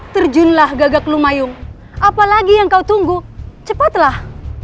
terjunlah gagak lumayung apa lagi yang kau tunggu cepetlah